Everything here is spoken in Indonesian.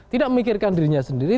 tidak memikirkan dirinya sendiri